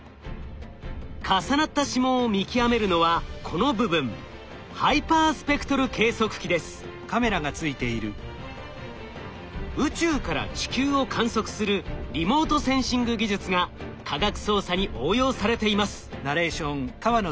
重なった指紋を見極めるのはこの部分宇宙から地球を観測するリモートセンシング技術が科学捜査に応用されています。